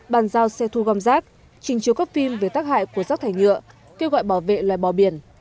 bàn giao xe thu gom rác trình chiếu các phim về tác hại của rác thải nhựa kêu gọi bảo vệ loài bò biển